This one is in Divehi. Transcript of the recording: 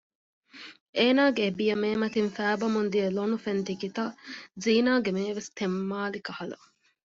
އޭނަގެ އެބިޔަ މޭމަތިން ފައިބަމުން ދިޔަ ލޮނު ފެންތިކިތައް ޒީނާގެ މޭވެސް ތެއްމާލިކަހަލު